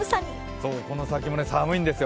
そう、この先も寒いんですよ。